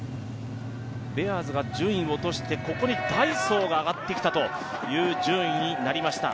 ベアーズが順位を落として、ここにダイソーが上がってきたという順位になりました。